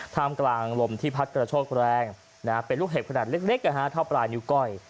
ท่ามกลางลมที่พัดกระโชกแรงเป็นลูกเห็บขนาดเล็กเท่าปลายนิ้วก้อย